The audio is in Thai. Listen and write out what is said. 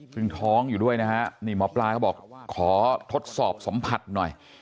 ซึ่งท้องอยู่ด้วยนะฮะนี่หมอปลาเขาบอกขอทดสอบสัมผัสหน่อย